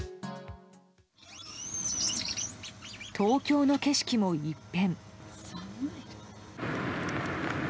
東京の景色も一変。